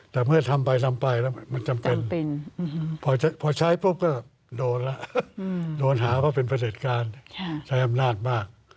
แต่เมื่อทำไปทำไปแล้วมันจำเป็นพอใช้ปุ๊บก็โดนแล้วโดนหาว่าเป็นประเด็จการใช้อำนาจมาก